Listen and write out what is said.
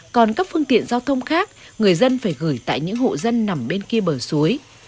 còn các phương tiện giao thông khác người dân phải gửi tại những hộ dân nằm bên kia bờ suối